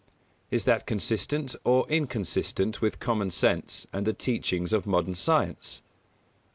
_Is that consistent or inconsistent with common sense and the teachings of modern science?